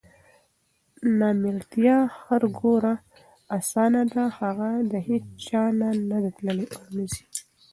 نامېړتیا هر ګوره اسانه ده هغه د هیچا نه نده تللې اونه ځي